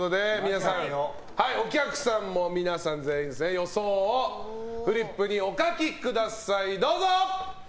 お客さんの皆さんも予想をフリップにお書きください。